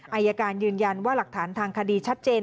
อายการยืนยันว่าหลักฐานทางคดีชัดเจน